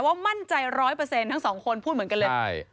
ว่ามั่นใจร้อยเปอร์เซนทั้งสองคนพูดเหมือนกันเลย